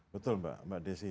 betul mbak desi